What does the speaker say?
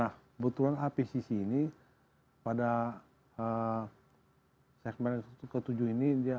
nah kebetulan apcc ini pada segmen ketujuh ini